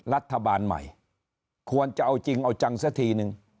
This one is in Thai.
รัฐบาลใหม่ควรจะเอาจริงเอาจังซะทีนึง